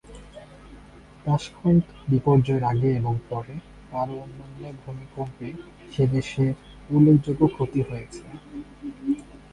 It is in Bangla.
তাশখন্দ বিপর্যয়ের আগে এবং পরে আরও অন্যান্য ভূমিকম্পে সে দেশের উল্লেখযোগ্য ক্ষতি হয়েছে।